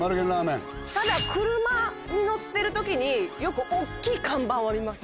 ただ車に乗ってる時によく大きい看板は見ます。